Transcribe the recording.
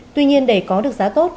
tuy nhiên để có được giá tour trong nước